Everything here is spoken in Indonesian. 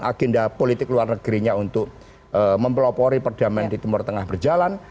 agenda politik luar negerinya untuk mempelopori perdamaian di timur tengah berjalan